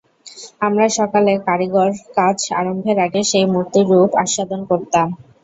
আমরা সকালে কারিগর কাজ আরম্ভের আগে সেই মূর্তির রূপ আস্বাদন করতাম।